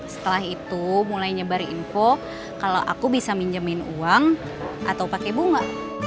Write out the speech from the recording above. setelah itu mulai nyebar info kalo aku bisa minjemin uang atau pake bunga